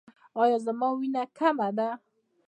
ایا زما وینه کمه ده؟